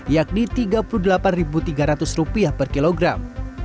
yakni rp tiga puluh delapan tiga ratus per kilogram